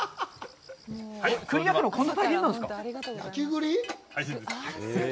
栗、焼くのってこんなに大変なんですか。